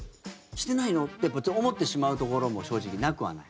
してないの？って思ってしまうところも正直、なくはない。